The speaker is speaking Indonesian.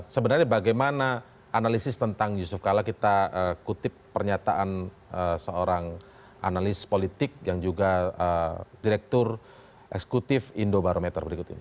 sebenarnya bagaimana analisis tentang yusuf kala kita kutip pernyataan seorang analis politik yang juga direktur eksekutif indobarometer berikut ini